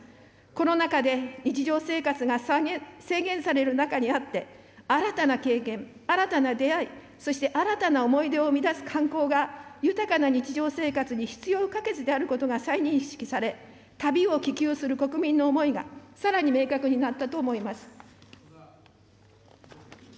コロナ禍で日常生活が制限される中にあって、新たな経験、新たな出会い、そして新たな思い出を生み出す観光が豊かな日常生活に必要不可欠であることが再認識され、旅を希求する国民の思いがさらに明確になったと思います。